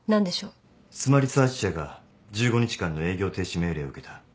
スマ・リサーチ社が１５日間の営業停止命令を受けた。